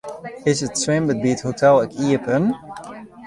Is it swimbad by it hotel ek iepen?